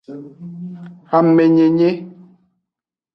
Amenyenye.